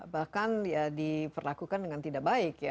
bahkan diperlakukan dengan tidak baik